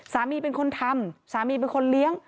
เป็นคนทำสามีเป็นคนเลี้ยง